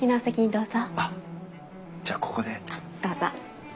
どうぞ。